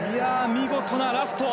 見事なラスト。